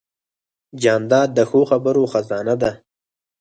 جانداد د ښو خبرو خزانه ده.